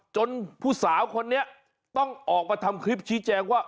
จนผู้สาวคนนี้ต้องออกมาทำคลิปชี้แจงว่า